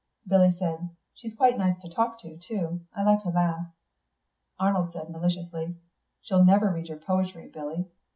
Billy said, "She's quite nice to talk to, too. I like her laugh." Arnold said, maliciously, "She'll never read your poetry, Billy.